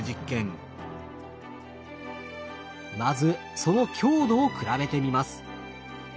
まずその強度を比べてみます。